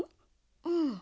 うん。